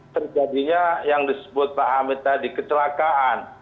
terjadinya yang disebut pak hamid tadi kecelakaan